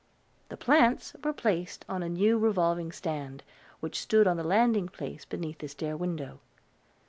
The plants were placed on a new revolving stand, which stood on the landing place beneath the stair window.